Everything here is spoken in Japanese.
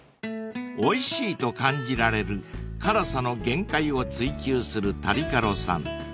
［おいしいと感じられる辛さの限界を追求するタリカロさん］